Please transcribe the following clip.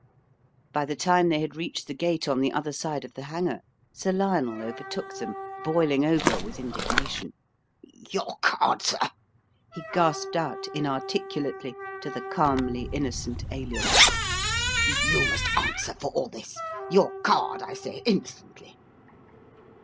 By the time they had reached the gate on the other side of the hanger, Sir Lionel overtook them, boiling over with indignation. "Your card, sir," he gasped out inarticulately to the calmly innocent Alien; "you must answer for all this. Your card, I say, instantly!"